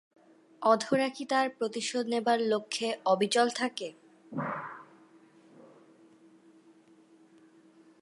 অধরা কি তার প্রতিশোধ নেবার লক্ষ্যে অবিচল থাকে।